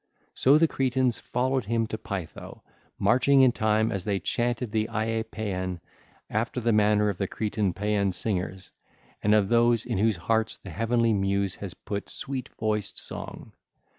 So the Cretans followed him to Pytho, marching in time as they chanted the Ie Paean after the manner of the Cretan paean singers and of those in whose hearts the heavenly Muse has put sweet voiced song.